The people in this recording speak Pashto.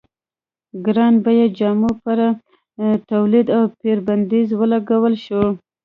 ګران بیه جامو پر تولید او پېر بندیز ولګول شو.